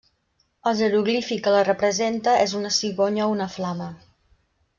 El jeroglífic que la representa és una cigonya o una flama.